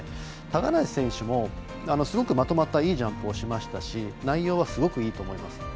高梨選手も、すごくまとまったいいジャンプをしましたし内容はすごくいいと思います。